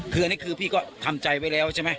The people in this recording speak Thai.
คืออันนี้คือพี่ก็ทำใจไว้แล้วใช่ไหม